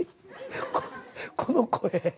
この声。